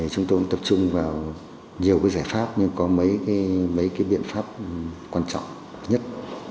chúng tôi cũng tập trung vào nhiều giải pháp nhưng có mấy cái biện pháp quan trọng nhất